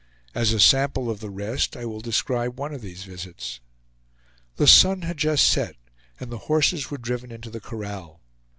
As a sample of the rest I will describe one of these visits. The sun had just set, and the horses were driven into the corral.